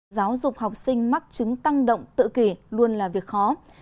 giáo dục học sinh mắc chứng tăng động tự kỷ luôn là việc khó